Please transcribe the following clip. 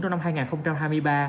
trong năm hai nghìn hai mươi ba